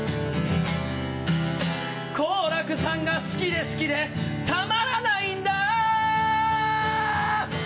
好楽さんが好きで好きでたまらないんだ